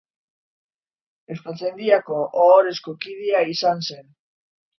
Euskaltzaindiko ohorezko kidea izan zen.